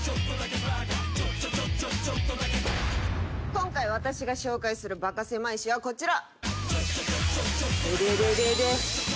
今回私が紹介するバカせまい史はこちら。